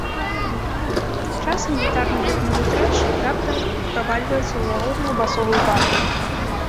Часам гітарна-бубнавы трэш раптам правальваецца ў лагодную басовую партыю.